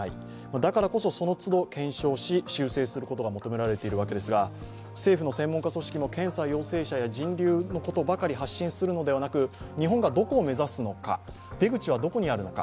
だからこそその都度、求められているわけですが政府の専門家組織、検査陽性者や人流のことばかり発信するのではなく、日本がどこを目指すのか、出口はどこにあるのか。